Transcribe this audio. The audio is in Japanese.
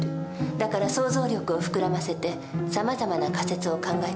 だから想像力を膨らませてさまざまな仮説を考えていくの。